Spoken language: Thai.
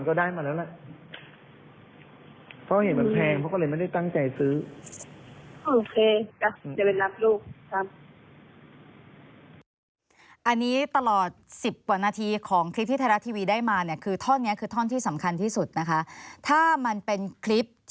ก็ต้องจับลูก